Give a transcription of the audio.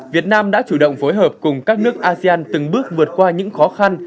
việt nam đã chủ động phối hợp cùng các nước asean từng bước vượt qua những khó khăn